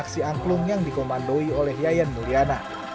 dan aksi angklung yang dikomandoi oleh yayan mulyana